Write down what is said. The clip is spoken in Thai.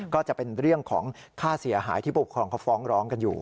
ก็จะเป็นเรื่องของค่าเสียหายที่ผู้ปกครองเขาฟ้องร้องกันอยู่